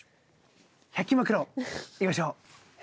１００均マクロいきましょう！